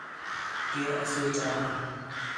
کہ اَسے چاہوں